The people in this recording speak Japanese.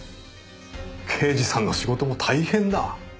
刑事さんの仕事も大変だ。